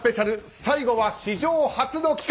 最後は史上初の企画！